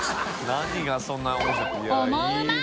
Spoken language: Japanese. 何がそんなに面白くいやいいね。